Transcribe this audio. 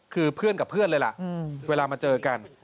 คือเพื่อนกับเพื่อนเลยล่ะเวลามาเจอกัน